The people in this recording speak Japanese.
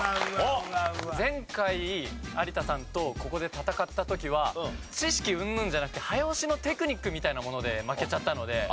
前回有田さんとここで戦った時は知識うんぬんじゃなくて早押しのテクニックみたいなもので負けちゃったので。